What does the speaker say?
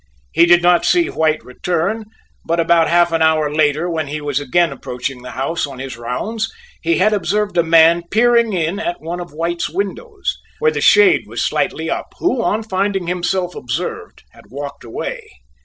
He did not see White return, but about half an hour later when he was again approaching the house on his rounds he had observed a man peering in at one of White's windows, where the shade was slightly up, who, on finding himself observed, had walked away.